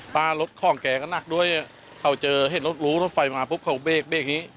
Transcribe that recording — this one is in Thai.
ปลารถของแกก็นักด้วยเขาเจอเห็นรถหลูรถไฟมาผู้ปเขาเบคนี้